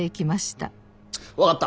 分かった。